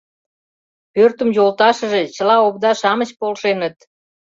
Пӧртым йолташыже чыла овда-шамыч полшеныт.